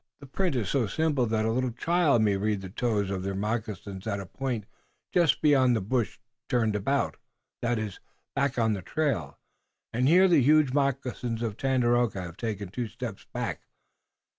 The print is so simple that a little child may read. The toes of their moccasins at a point just beyond the bush turn about, that is, back on the trail. And here the huge moccasins of Tandakora have taken two steps back.